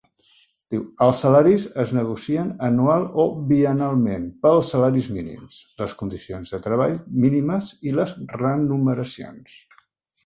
Els salaris es negocien anual o biennalment pels salaris mínims, les condicions de treball mínimes i les remuneracions.